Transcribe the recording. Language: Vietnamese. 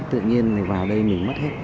tự nhiên vào đây mình mất hết